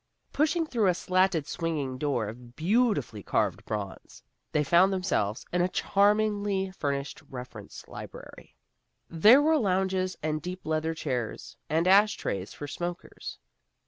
Pushing through a slatted swinging door of beautifully carved bronze, they found themselves in a charmingly furnished reference library. There were lounges and deep leather chairs, and ash trays for smokers.